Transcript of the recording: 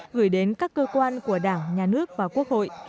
gửi đến các cơ quan của đảng nhà nước và quốc hội